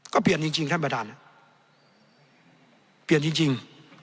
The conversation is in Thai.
ก็เปลี่ยนจริงท่านประธานเปลี่ยนจริง